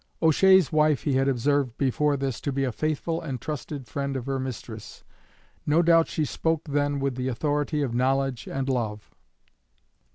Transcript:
O'Shea's wife he had observed before this to be a faithful and trusted friend of her mistress; no doubt she spoke then with the authority of knowledge and love.